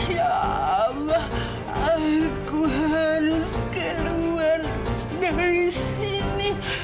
ya allah aku harus keluar dari sini